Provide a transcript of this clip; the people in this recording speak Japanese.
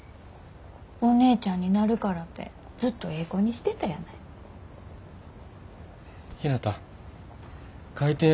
お姉ちゃんになるからてずっとええ子にしてたやない。